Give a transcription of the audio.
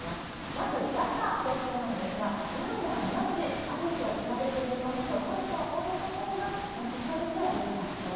まず打者としてなんですが、ランナーなし、ありと比べてみますと、ランナーを置いたほうが、結果としてはよかったと。